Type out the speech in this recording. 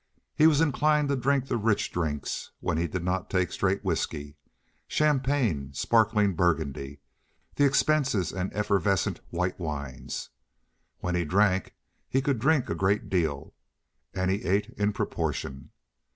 He was inclined to drink the rich drinks when he did not take straight whiskey—champagne, sparkling Burgundy, the expensive and effervescent white wines. When he drank he could drink a great deal, and he ate in proportion.